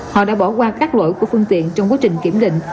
họ đã bỏ qua các lỗi của phương tiện trong quá trình kiểm định